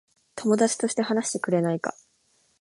友達として話してくれないか。